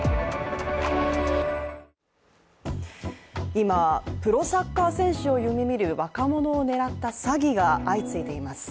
今、プロサッカー選手を夢見る若者を狙った詐欺が相次いでいます。